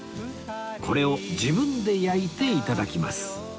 これを自分で焼いて頂きます